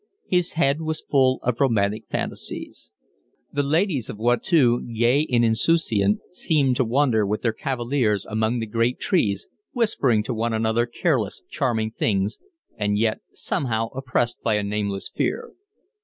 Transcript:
His head was full of romantic fancies. The ladies of Watteau, gay and insouciant, seemed to wander with their cavaliers among the great trees, whispering to one another careless, charming things, and yet somehow oppressed by a nameless fear.